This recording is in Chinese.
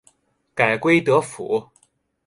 改归德府。